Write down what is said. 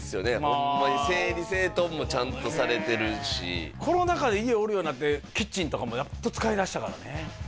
ホンマに整理整頓もちゃんとされてるしコロナ禍で家おるようになってキッチンとかもやっと使いだしたからね